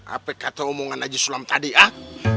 apa kata omongan najisulam tadi ah